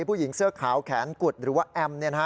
ผู้หญิงเสื้อขาวแขนกุดหรือว่าแอม